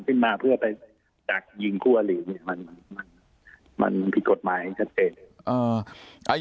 ที่มาเพื่อไปจักรยิงผู้อาหรี่มันผิดกฎหมายให้ชัดเจน